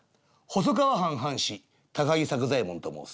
細川藩藩士高木作左衛門と申す。